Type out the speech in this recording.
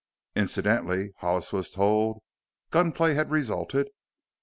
Incidentally Hollis was told gun play had resulted.